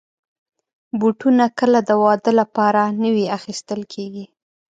بوټونه کله د واده لپاره نوي اخیستل کېږي.